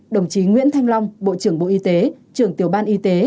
hai đồng chí nguyễn thanh long bộ trưởng bộ y tế trường tiểu ban y tế